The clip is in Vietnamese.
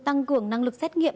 tăng cường năng lực xét nghiệm